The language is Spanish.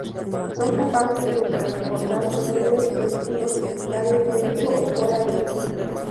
Son capaces de transportar pequeños vehículos militares dentro o fuera de sí.